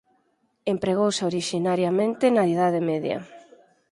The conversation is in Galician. Empregouse orixinariamente na Idade Media.